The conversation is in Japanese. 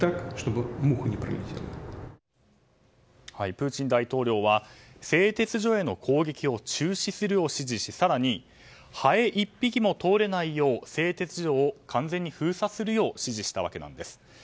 プーチン大統領は製鉄所への攻撃を中止するを指示し、更にハエ１匹も通れないよう製鉄所を完全に封鎖するよう指示したわけです。